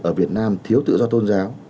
ở việt nam thiếu tự do tôn giáo